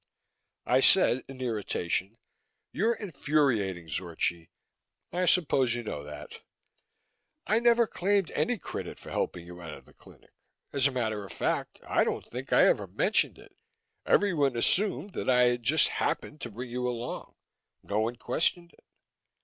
I said in irritation, "You're infuriating, Zorchi. I suppose you know that. I never claimed any credit for helping you out of the clinic. As a matter of fact, I don't think I ever mentioned it. Everyone assumed that I had just happened to bring you along no one questioned it."